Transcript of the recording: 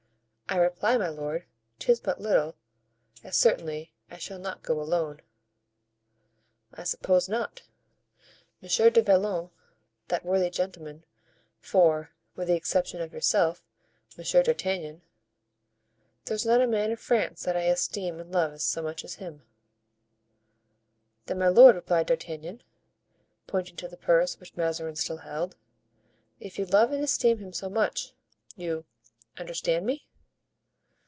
"I reply, my lord, 'tis but little, as certainly I shall not go alone." "I suppose not. Monsieur du Vallon, that worthy gentleman, for, with the exception of yourself, Monsieur d'Artagnan, there's not a man in France that I esteem and love so much as him——" "Then, my lord," replied D'Artagnan, pointing to the purse which Mazarin still held, "if you love and esteem him so much, you—understand me?"